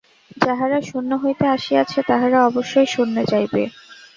যাহারা শূন্য হইতে আসিয়াছে, তাহারা অবশ্যই শূন্যে যাইবে।